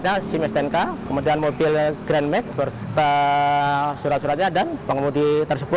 polisi menangkap pelaku di rumahnya di brebes jawa